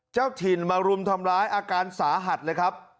เจ้าถิ่นมารุมทำร้ายอาการสาหัสเลยครับ